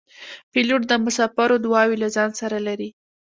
پیلوټ د مسافرو دعاوې له ځان سره لري.